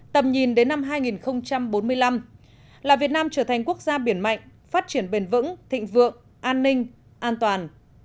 tầm nhìn đến năm hai nghìn bốn mươi năm là việt nam trở thành quốc gia biển mạnh phát triển bền vững thịnh vượng an ninh an toàn